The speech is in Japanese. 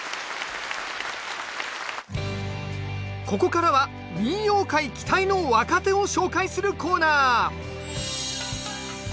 ここからは民謡界期待の若手を紹介するコーナー